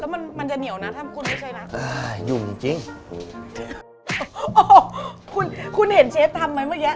แล้วมันมันจะเหนียวนะถ้าคุณไม่ใช่นะอ่าหยุ่มจริงจริงคุณคุณเห็นเชฟทำไว้เมื่อกี้